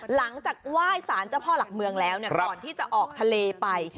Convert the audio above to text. หลังจากไหว้สารเจ้าพ่อหลักเมืองแล้วก่อนที่จะออกทะเลไป